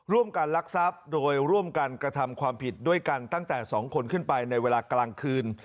ลักทรัพย์โดยร่วมกันกระทำความผิดด้วยกันตั้งแต่๒คนขึ้นไปในเวลากลางคืน